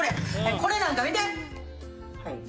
これなんか見て！